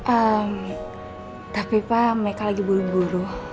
emm tapi pa meka lagi buru buru